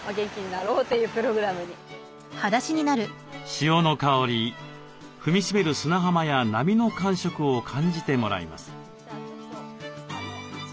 潮の香り踏みしめる砂浜や波の感触を感じてもらいます。